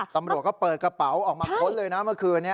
ตำรวจก็เปิดกระเป๋าออกมาค้นเลยนะเมื่อคืนนี้